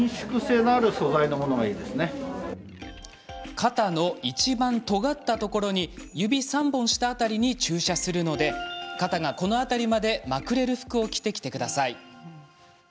肩のいちばんとがったところから指３本下辺りに注射をするので肩がこの辺りまでまくれる服を着てきてください。